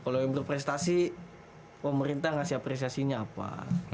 kalau yang berprestasi pemerintah ngasih apresiasinya apa